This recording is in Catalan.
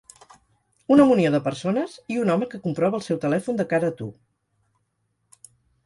Una munió de persones i un home que comprova el seu telèfon de cara a tu.